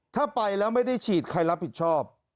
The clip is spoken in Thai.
ถ้าไปแล้วไม่ได้ฉีดใครรับผิดชอบ